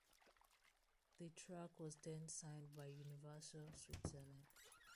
The track was then signed by Universal Switzerland.